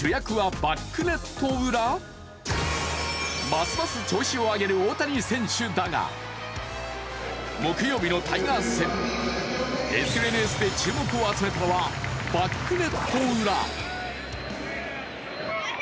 ますます調子を上げる大谷選手だが木曜日のタイガース戦、ＳＮＳで注目を集めたのはバックネット裏。